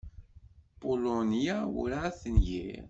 Pulunya werɛad tengir.